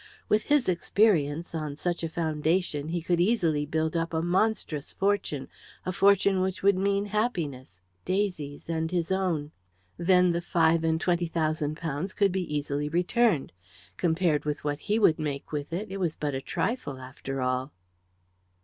With his experience, on such a foundation he could easily build up a monstrous fortune a fortune which would mean happiness Daisy's and his own. Then the five and twenty thousand pounds could be easily returned. Compared with what he would make with it, it was but a trifle, after all.